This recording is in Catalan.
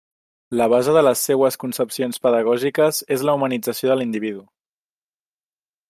La base de les seues concepcions pedagògiques és la humanització de l'individu.